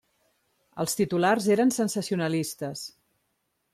Els titulars eren sensacionalistes.